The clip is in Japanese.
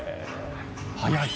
早い。